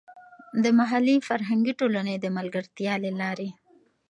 د محلي فرهنګي ټولنې د ملګرتیا له لارې.